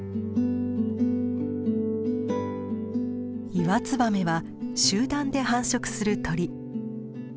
イワツバメは集団で繁殖する鳥。